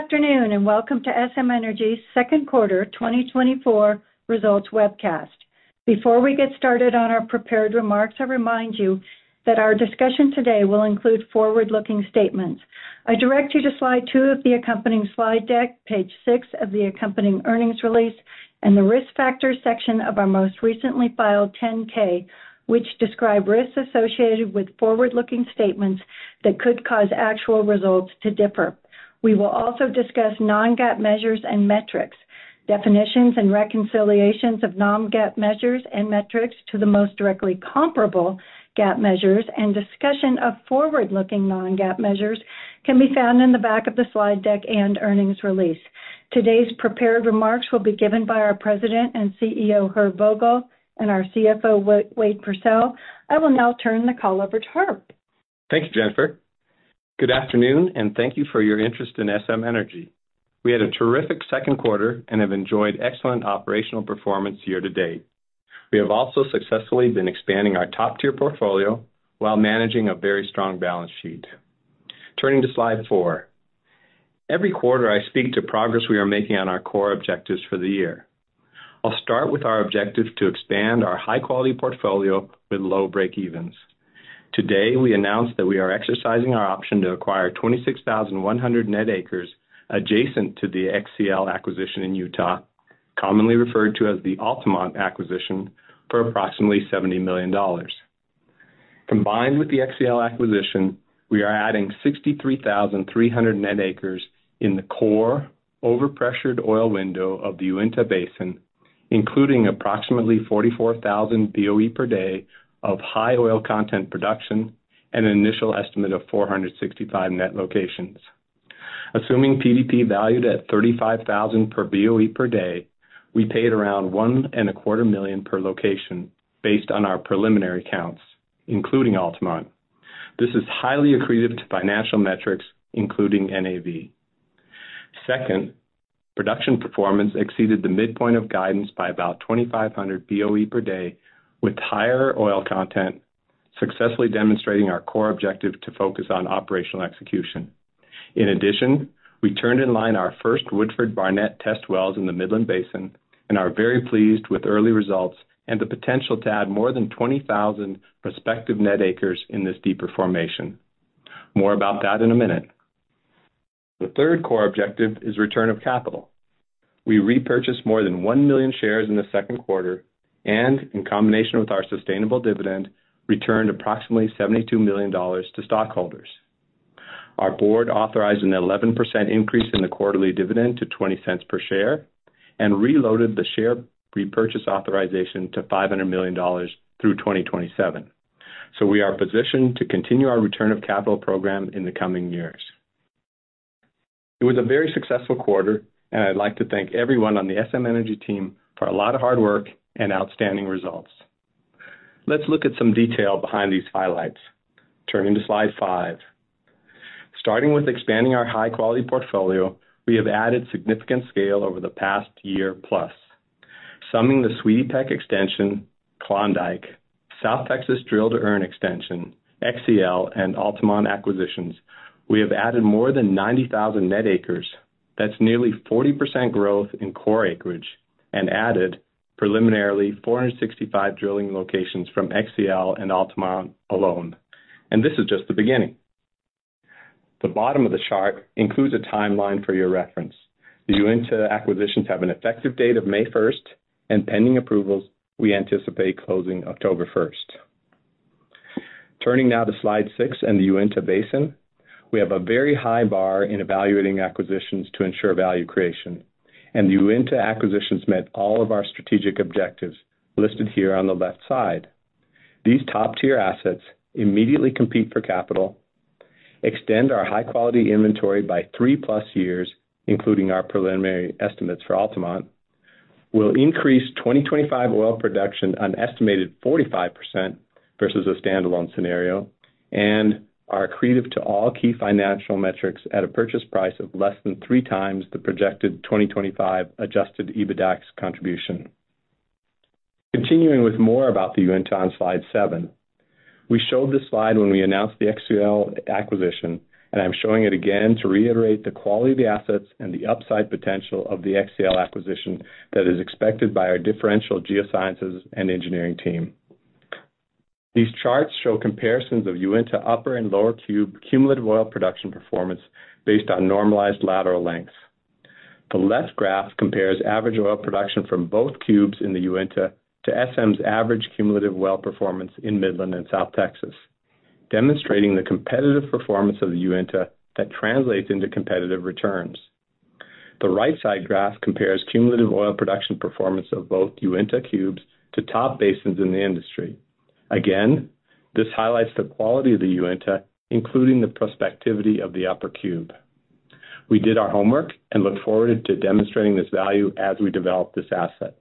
Good afternoon, and welcome to SM Energy's second quarter 2024 results webcast. Before we get started on our prepared remarks, I remind you that our discussion today will include forward-looking statements. I direct you to slide two of the accompanying slide deck, page 6 of the accompanying earnings release, and the Risk Factors section of our most recently filed 10-K, which describe risks associated with forward-looking statements that could cause actual results to differ. We will also discuss non-GAAP measures and metrics. Definitions and reconciliations of non-GAAP measures and metrics to the most directly comparable GAAP measures and discussion of forward-looking non-GAAP measures can be found in the back of the slide deck and earnings release. Today's prepared remarks will be given by our President and CEO, Herb Vogel, and our CFO, Wade Pursell. I will now turn the call over to Herb. Thank you, Jennifer. Good afternoon, and thank you for your interest in SM Energy. We had a terrific second quarter and have enjoyed excellent operational performance year to date. We have also successfully been expanding our top-tier portfolio while managing a very strong balance sheet. Turning to slide four. Every quarter, I speak to progress we are making on our core objectives for the year. I'll start with our objective to expand our high-quality portfolio with low breakevens. Today, we announced that we are exercising our option to acquire 26,100 net acres adjacent to the XCL acquisition in Utah, commonly referred to as the Altamont acquisition, for approximately $70 million. Combined with the XCL acquisition, we are adding 63,300 net acres in the core overpressured oil window of the Uinta Basin, including approximately 44,000 BOE per day of high oil content production and an initial estimate of 465 net locations. Assuming PDP valued at $35,000 per BOE per day, we paid around $1.25 million per location based on our preliminary counts, including Altamont. This is highly accretive to financial metrics, including NAV. Second, production performance exceeded the midpoint of guidance by about 2,500 BOE per day, with higher oil content, successfully demonstrating our core objective to focus on operational execution. In addition, we turned in line our first Woodford Barnett test wells in the Midland Basin and are very pleased with early results and the potential to add more than 20,000 prospective net acres in this deeper formation. More about that in a minute. The third core objective is return of capital. We repurchased more than 1 million shares in the second quarter, and in combination with our sustainable dividend, returned approximately $72 million to stockholders. Our board authorized an 11% increase in the quarterly dividend to $0.20 per share and reloaded the share repurchase authorization to $500 million through 2027. So we are positioned to continue our return of capital program in the coming years. It was a very successful quarter, and I'd like to thank everyone on the SM Energy team for a lot of hard work and outstanding results. Let's look at some detail behind these highlights. Turning to slide five. Starting with expanding our high-quality portfolio, we have added significant scale over the past year plus. Summing the Sweetie Peck extension, Klondike, South Texas drill-to-earn extension, XCL, and Altamont acquisitions, we have added more than 90,000 net acres. That's nearly 40% growth in core acreage and added preliminarily 465 drilling locations from XCL and Altamont alone. And this is just the beginning. The bottom of the chart includes a timeline for your reference. The Uinta acquisitions have an effective date of May 1, and pending approvals, we anticipate closing October 1. Turning now to slide six and the Uinta Basin, we have a very high bar in evaluating acquisitions to ensure value creation, and the Uinta acquisitions met all of our strategic objectives, listed here on the left side. These top-tier assets immediately compete for capital, extend our high-quality inventory by 3+ years, including our preliminary estimates for Altamont, will increase 2025 oil production an estimated 45% versus a standalone scenario, and are accretive to all key financial metrics at a purchase price of less than 3x the projected 2025 Adjusted EBITDA contribution. Continuing with more about the Uinta on slide seven. We showed this slide when we announced the XCL acquisition, and I'm showing it again to reiterate the quality of the assets and the upside potential of the XCL acquisition that is expected by our differential geosciences and engineering team. These charts show comparisons of Uinta upper and lower cube cumulative oil production performance based on normalized lateral lengths. The left graph compares average oil production from both cubes in the Uinta to SM's average cumulative well performance in Midland and South Texas, demonstrating the competitive performance of the Uinta that translates into competitive returns. The right-side graph compares cumulative oil production performance of both Uinta cubes to top basins in the industry. Again, this highlights the quality of the Uinta, including the prospectivity of the upper cube. We did our homework and look forward to demonstrating this value as we develop this asset.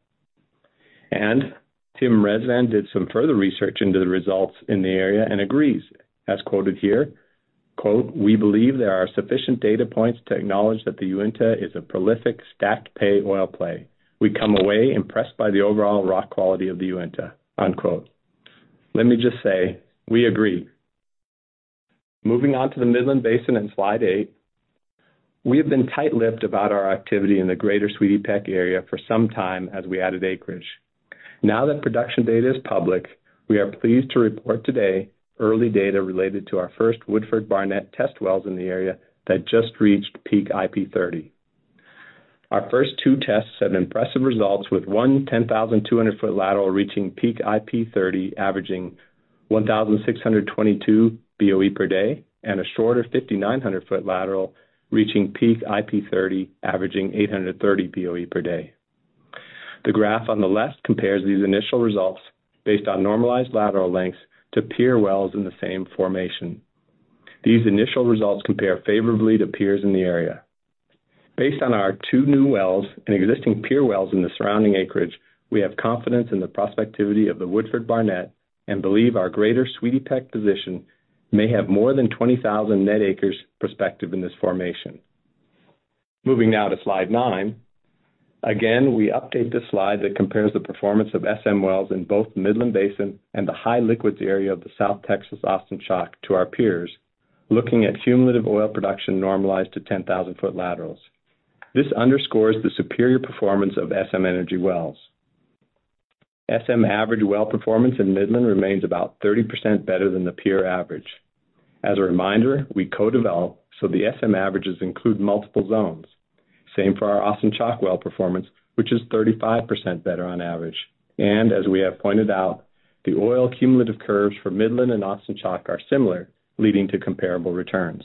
And Tim Rezvan did some further research into the results in the area and agrees, as quoted here, quote, "We believe there are sufficient data points to acknowledge that the Uinta is a prolific stacked pay oil play. We come away impressed by the overall rock quality of the Uinta," unquote.... Let me just say, we agree. Moving on to the Midland Basin on slide 8. We have been tight-lipped about our activity in the greater Sweetie Peck area for some time as we added acreage. Now that production data is public, we are pleased to report today early data related to our first Woodford Barnett test wells in the area that just reached peak IP30. Our first two tests had impressive results, with one 10,200-foot lateral reaching peak IP30, averaging 1,622 BOE per day, and a shorter 5,900-foot lateral, reaching peak IP30, averaging 830 BOE per day. The graph on the left compares these initial results based on normalized lateral lengths to peer wells in the same formation. These initial results compare favorably to peers in the area. Based on our two new wells and existing peer wells in the surrounding acreage, we have confidence in the prospectivity of the Woodford Barnett, and believe our greater Sweetie Peck position may have more than 20,000 net acres prospective in this formation. Moving now to slide nine. Again, we update this slide that compares the performance of SM wells in both the Midland Basin and the high liquids area of the South Texas Austin Chalk to our peers, looking at cumulative oil production normalized to 10,000-foot laterals. This underscores the superior performance of SM Energy wells. SM average well performance in Midland remains about 30% better than the peer average. As a reminder, we co-develop, so the SM averages include multiple zones. Same for our Austin Chalk well performance, which is 35% better on average. As we have pointed out, the oil cumulative curves for Midland and Austin Chalk are similar, leading to comparable returns.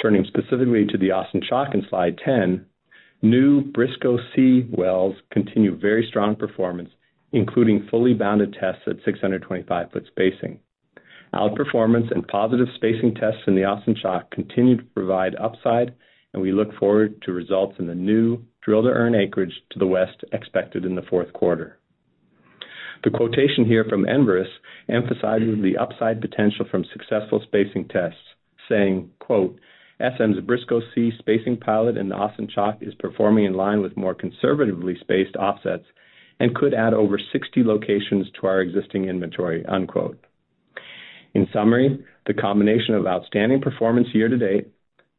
Turning specifically to the Austin Chalk in Slide 10, new Briscoe C wells continue very strong performance, including fully bounded tests at 625-foot spacing. Outperformance and positive spacing tests in the Austin Chalk continue to provide upside, and we look forward to results in the new drill to earn acreage to the west, expected in the fourth quarter. The quotation here from Enverus emphasizes the upside potential from successful spacing tests, saying, quote, "SM's Briscoe C spacing pilot in the Austin Chalk is performing in line with more conservatively spaced offsets and could add over 60 locations to our existing inventory," unquote. In summary, the combination of outstanding performance year to date,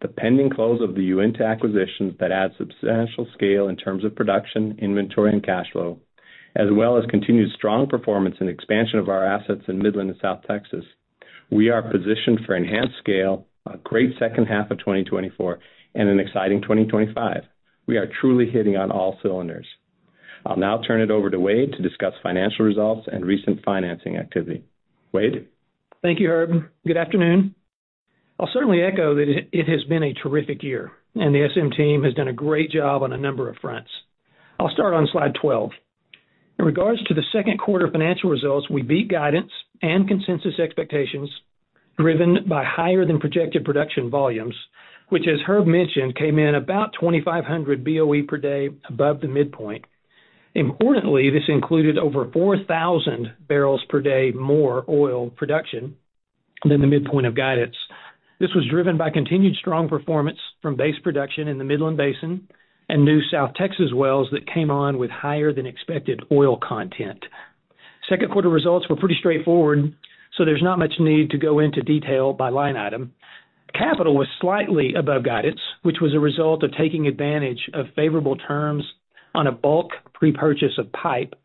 the pending close of the Uinta acquisitions that add substantial scale in terms of production, inventory, and cash flow, as well as continued strong performance and expansion of our assets in Midland and South Texas, we are positioned for enhanced scale, a great second half of 2024 and an exciting 2025. We are truly hitting on all cylinders. I'll now turn it over to Wade to discuss financial results and recent financing activity. Wade? Thank you, Herb. Good afternoon. I'll certainly echo that it has been a terrific year, and the SM team has done a great job on a number of fronts. I'll start on slide 12. In regards to the second quarter financial results, we beat guidance and consensus expectations, driven by higher than projected production volumes, which, as Herb mentioned, came in about 2,500 BOE per day above the midpoint. Importantly, this included over 4,000 barrels per day more oil production than the midpoint of guidance. This was driven by continued strong performance from base production in the Midland Basin and new South Texas wells that came on with higher than expected oil content. Second quarter results were pretty straightforward, so there's not much need to go into detail by line item. Capital was slightly above guidance, which was a result of taking advantage of favorable terms on a bulk pre-purchase of pipe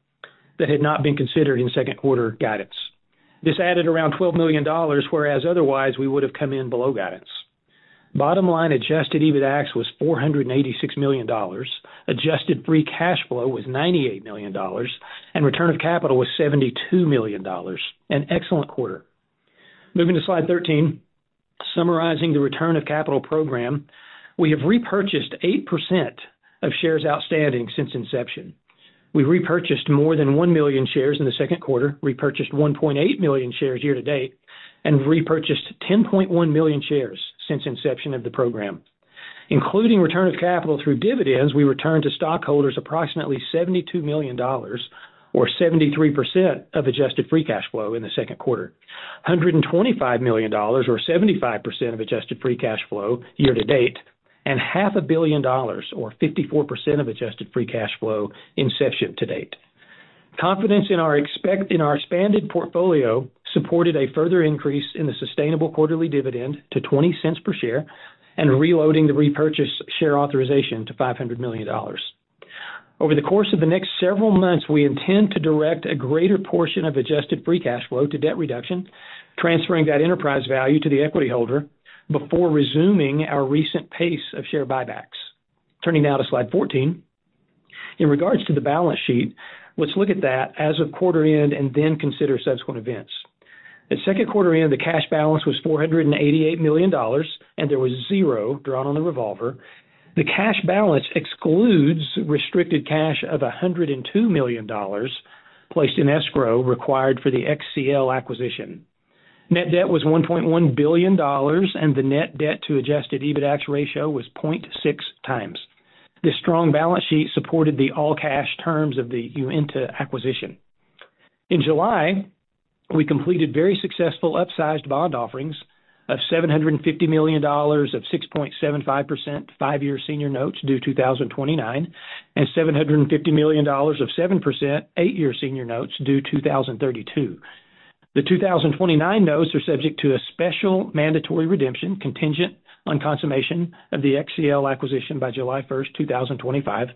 that had not been considered in second quarter guidance. This added around $12 million, whereas otherwise we would have come in below guidance. Bottom line, Adjusted EBITDA was $486 million, Adjusted Free Cash Flow was $98 million, and return of capital was $72 million. An excellent quarter. Moving to slide 13, summarizing the return of capital program, we have repurchased 8% of shares outstanding since inception. We've repurchased more than 1 million shares in the second quarter, repurchased 1.8 million shares year to date, and repurchased 10.1 million shares since inception of the program. Including return of capital through dividends, we returned to stockholders approximately $72 million, or 73% of Adjusted Free Cash Flow in the second quarter. $125 million, or 75% of Adjusted Free Cash Flow year to date, and $500 million or 54% of Adjusted Free Cash Flow, inception to date. Confidence in our expanded portfolio supported a further increase in the sustainable quarterly dividend to $0.20 per share and reloading the repurchase share authorization to $500 million. Over the course of the next several months, we intend to direct a greater portion of Adjusted Free Cash Flow to debt reduction, transferring that enterprise value to the equity holder before resuming our recent pace of share buybacks. Turning now to slide 14. In regards to the balance sheet, let's look at that as of quarter end and then consider subsequent events. At second quarter end, the cash balance was $488 million, and there was zero drawn on the revolver. The cash balance excludes restricted cash of $102 million, placed in escrow, required for the XCL acquisition. Net debt was $1.1 billion, and the net debt to Adjusted EBITDA ratio was 0.6x. This strong balance sheet supported the all-cash terms of the Uinta acquisition. In July, we completed very successful upsized bond offerings of $750 million of 6.75% five-year senior notes due 2029, and $750 million of 7% eight-year senior notes due 2032. The 2029 notes are subject to a special mandatory redemption contingent on consummation of the XCL acquisition by July 1, 2025.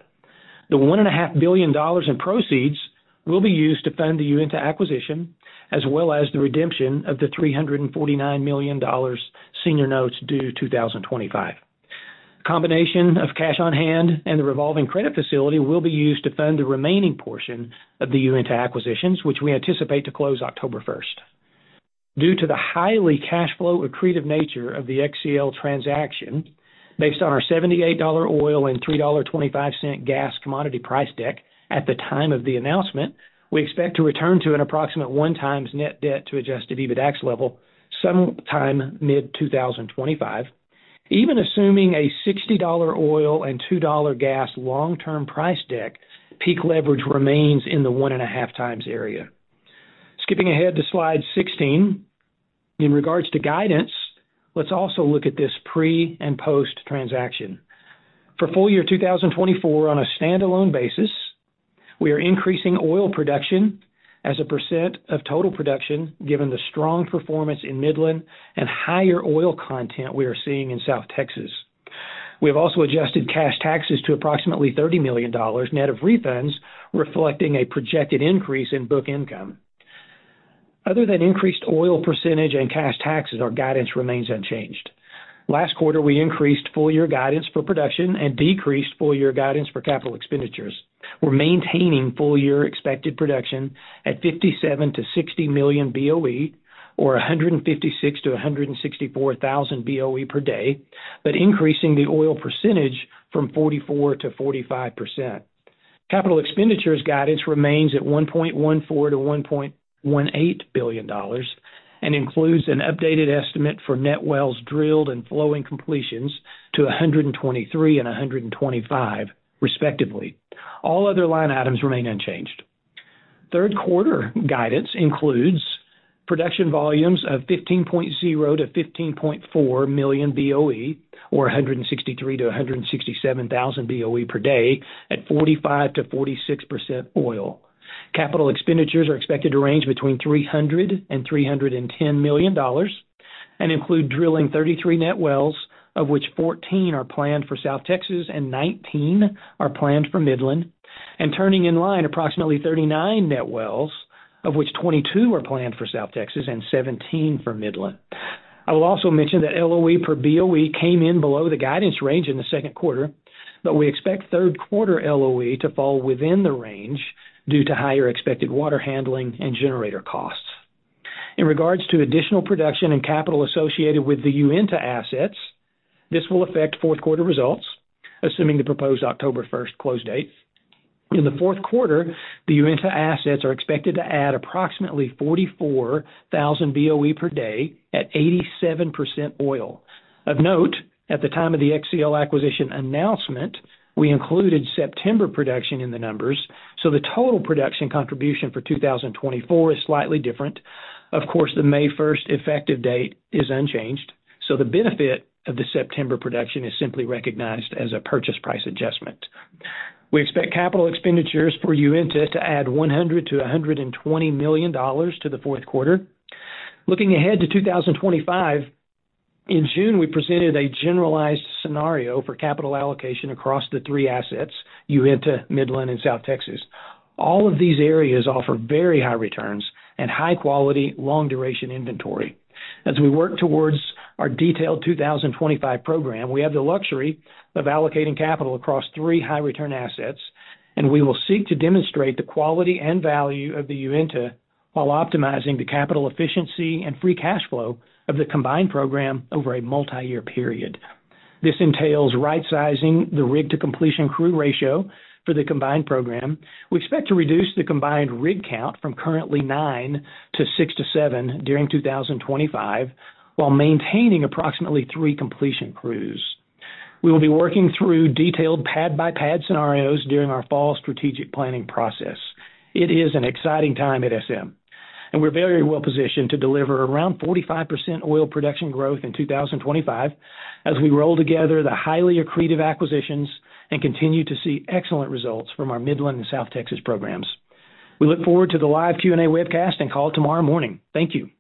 The $1.5 billion in proceeds will be used to fund the Uinta acquisition, as well as the redemption of the $349 million senior notes due 2025. Combination of cash on hand and the revolving credit facility will be used to fund the remaining portion of the Uinta acquisitions, which we anticipate to close October 1. Due to the highly cash flow accretive nature of the XCL transaction, based on our $78 oil and $3.25 gas commodity price deck at the time of the announcement, we expect to return to an approximate 1x net debt to adjusted EBITDA level sometime mid-2025. Even assuming a $60 oil and $2 gas long-term price deck, peak leverage remains in the 1.5x area. Skipping ahead to slide 16. In regards to guidance, let's also look at this pre- and post-transaction. For full year 2024, on a standalone basis, we are increasing oil production as a % of total production, given the strong performance in Midland and higher oil content we are seeing in South Texas. We have also adjusted cash taxes to approximately $30 million net of refunds, reflecting a projected increase in book income. Other than increased oil % and cash taxes, our guidance remains unchanged. Last quarter, we increased full year guidance for production and decreased full year guidance for capital expenditures. We're maintaining full year expected production at 57-60 million BOE, or 156-164 thousand BOE per day, but increasing the oil percentage from 44%-45%. Capital expenditures guidance remains at $1.14-$1.18 billion and includes an updated estimate for net wells drilled and flowing completions to 123 and 125, respectively. All other line items remain unchanged. Third quarter guidance includes production volumes of 15.0-15.4 million BOE, or 163-167 thousand BOE per day at 45%-46% oil. Capital expenditures are expected to range between $300 million and $310 million and include drilling 33 net wells, of which 14 are planned for South Texas and 19 are planned for Midland, and turning in line approximately 39 net wells, of which 22 are planned for South Texas and 17 for Midland. I will also mention that LOE per BOE came in below the guidance range in the second quarter, but we expect third quarter LOE to fall within the range due to higher expected water handling and generator costs. In regards to additional production and capital associated with the Uinta assets, this will affect fourth quarter results, assuming the proposed October first close date. In the fourth quarter, the Uinta assets are expected to add approximately 44,000 BOE per day at 87% oil. Of note, at the time of the XCL acquisition announcement, we included September production in the numbers, so the total production contribution for 2024 is slightly different. Of course, the May 1 effective date is unchanged, so the benefit of the September production is simply recognized as a purchase price adjustment. We expect capital expenditures for Uinta to add $100 million-$120 million to the fourth quarter. Looking ahead to 2025, in June, we presented a generalized scenario for capital allocation across the three assets, Uinta, Midland, and South Texas. All of these areas offer very high returns and high quality, long duration inventory. As we work towards our detailed 2025 program, we have the luxury of allocating capital across three high return assets, and we will seek to demonstrate the quality and value of the Uinta while optimizing the capital efficiency and free cash flow of the combined program over a multiyear period. This entails right sizing the rig-to-completion crew ratio for the combined program. We expect to reduce the combined rig count from currently 9 to 6-7 during 2025, while maintaining approximately 3 completion crews. We will be working through detailed pad-by-pad scenarios during our fall strategic planning process. It is an exciting time at SM, and we're very well positioned to deliver around 45% oil production growth in 2025 as we roll together the highly accretive acquisitions and continue to see excellent results from our Midland and South Texas programs. We look forward to the live Q&A webcast and call tomorrow morning. Thank you.